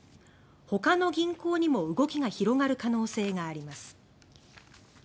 他の銀行にも動きが広がる可能性があります。